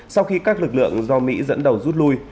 sau khi các lực lượng do mỹ dẫn đầu rút lui